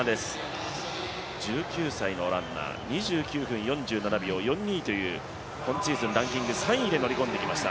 １９歳のランナー、２９分４７秒４２という今シーズンランキング３位に入りました。